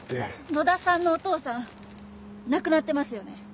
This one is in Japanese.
野田さんのお父さん亡くなってますよね？